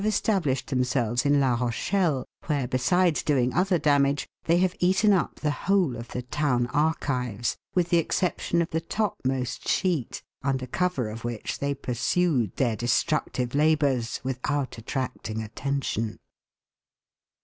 established themselves in La Rochelle, where, besides doing other damage, they have eaten up the whole of the town archives, with the exception of the topmost sheet, under cover of which they pursued their destruc tive labours without attracting attention.